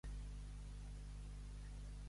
Pintar de mangra.